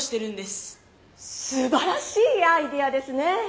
すばらしいアイデアですね！